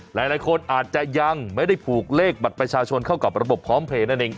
หลายคนอาจจะยังไม่ได้ผูกเลขบัตรประชาชนเข้ากับระบบพร้อมเพลย์นั่นเอง